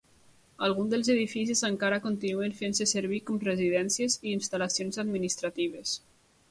Alguns dels edificis encara continuen fent-se servir com residencies i instal·lacions administratives.